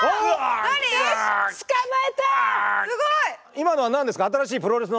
今のは何ですか？